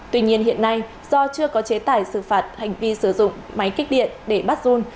tuy nhiên hiện nay do chưa có chế tài xử phạt hành vi sử dụng máy kích điện để bắt run